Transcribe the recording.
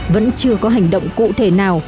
vẫn chưa có hành động cụ thể nào